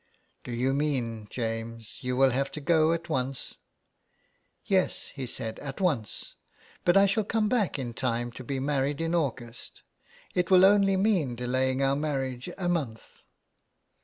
" Do you mean, James, you will have to go at once? "" Yes," he said, " at once. But I shall come back in time to be married in August. It will only mean delaying our marriage a month."